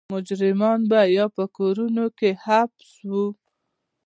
مجرمان به یا په کورونو کې حبس وو.